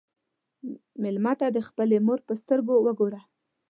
مېلمه ته د خپلې مور په سترګو وګوره.